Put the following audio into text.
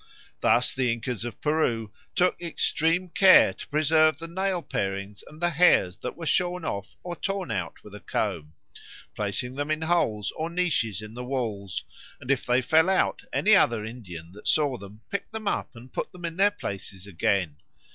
Thus the Incas of Peru "took extreme care to preserve the nail parings and the hairs that were shorn off or torn out with a comb; placing them in holes or niches in the walls; and if they fell out, any other Indian that saw them picked them up and put them in their places again.